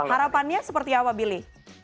harapannya seperti apa bili